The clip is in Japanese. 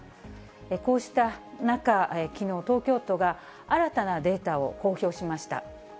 こうした中、きのう、東京都が新たなデータを公表しました。